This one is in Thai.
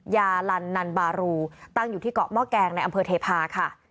ยาลันนันบารูตั้งอยู่ที่เกาะหม้อแกงในอำเภอเทพาค่ะ